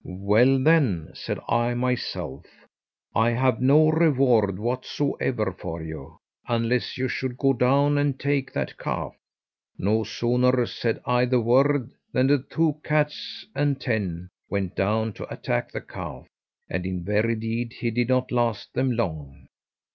'Well then,' said I myself, 'I have no reward whatsoever for you, unless you should go down and take that calf.' No sooner said I the word than the two cats and ten went down to attack the calf, and in very deed, he did not last them long.